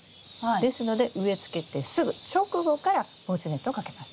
ですので植え付けてすぐ直後から防虫ネットをかけます。